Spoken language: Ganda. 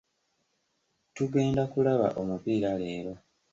Tugenda kulaba omupiira leero.